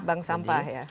bank sampah ya